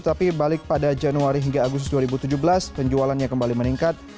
tapi balik pada januari hingga agustus dua ribu tujuh belas penjualannya kembali meningkat